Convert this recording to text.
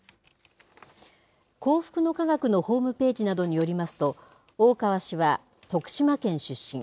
幸福の科学のホームページなどによりますと、大川氏は徳島県出身。